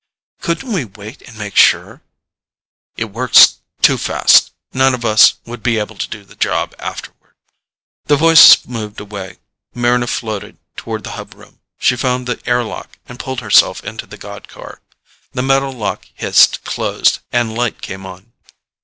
"Couldn't we wait and make sure?" "It works too fast. None of us would be able to do the job afterward." The voices moved away. Mryna floated toward the hub room. She found the air lock and pulled herself into the god car. The metal lock hissed closed and light came on.